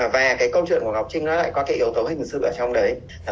và cái câu chuyện của ngọc trinh nó lại có cái yếu tố hình sự ở trong đấy